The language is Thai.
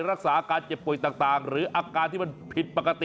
รักษาอาการเจ็บป่วยต่างหรืออาการที่มันผิดปกติ